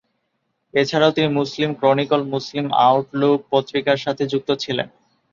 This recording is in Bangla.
এছাড়াও তিনি "মুসলিম ক্রনিকল", "মুসলিম আউটলুক" পত্রিকার সাথে যুক্ত ছিলেন।